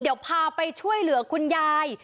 เดี๋ยวพาไปช่วยเหลือคุณยาย